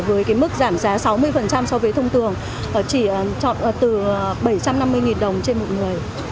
với mức giảm giá sáu mươi so với thông tường chỉ chọn từ bảy trăm năm mươi đồng trên một người